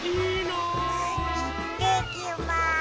いってきます。